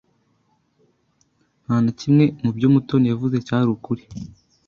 Nta na kimwe mu byo Mutoni yavuze cyari ukuri.